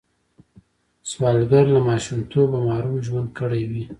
سوالګر له ماشومتوبه محروم ژوند کړی وي